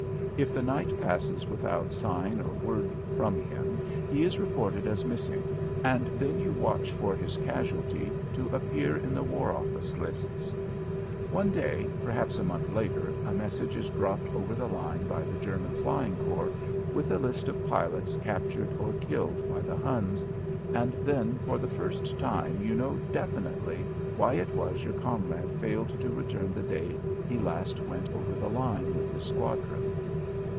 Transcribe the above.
If the night passes without sign or word from him he is reported as missing, and then you watch for his casualty to appear in the war office lists. One day, perhaps a month later, a message is dropped over the line by the German Flying Corps with a list of pilots captured or killed by the Huns, and then, for the first time, you know definitely why it was your comrade failed to return the day he last went over the line with his squadron.